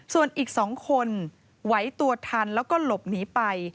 ส่วนอีก๒คนไหวตัวทันแล้วก็หลบหนีไป